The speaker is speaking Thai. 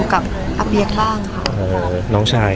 ภาษาสนิทยาลัยสุดท้าย